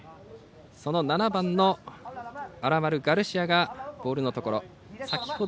７番のアラマルガルシアがボールのところ。